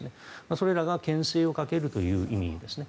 それらがけん制をかけるという意味ですね。